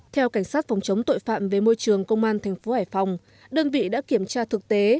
theo cảnh sát phòng chống tội phạm về môi trường công an thành phố hải phòng đơn vị đã kiểm tra thực tế